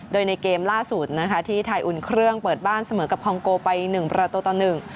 โดยในเกมล่าสุดนะคะที่ไทยอุ่นเครื่องเปิดบ้านเสมอกับคองโกไปหนึ่งประตูต่อหนึ่ง